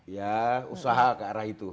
ya usaha ke arah itu